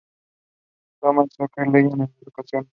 Thomas Soccer League en dos ocasiones.